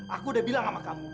aku udah bilang sama kamu